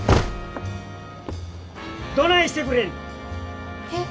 どないしてくれんねん。